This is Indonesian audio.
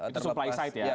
itu supply side ya